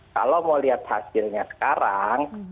kalau mau lihat hasilnya sekarang